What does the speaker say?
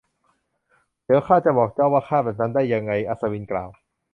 เดี๋ยวข้าจะบอกเจ้าว่าข้าแบบนั้นได้ยังไง อัศวินกล่าว